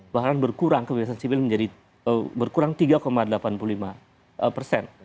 bahkan berkurang kebebasan sipil menjadi berkurang tiga delapan puluh lima persen